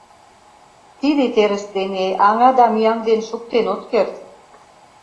Тиде терыс дене аҥадам ӱяҥден шуктен от керт.